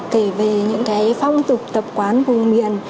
kể về những phong tục tập quán vùng miền